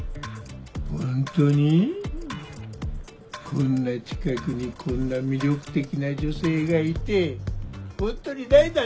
こんな近くにこんな魅力的な女性がいてホントにないなんてある？